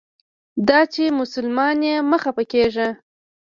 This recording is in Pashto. دا چې مسلمان یې مه خپه کیږه.